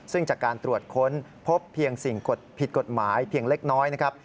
ซึ่งจากการตรวจค้นพบเพียงสิ่งผิดกฎหมายเพียงเล็กน้อยนะครับ